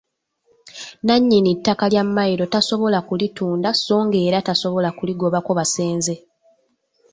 Nnannyini ttaka lya mmayiro tasobola kulitunda sso nga era tasobola kuligobako basenze.